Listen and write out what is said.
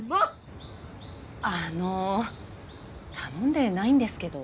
あの頼んでないんですけど。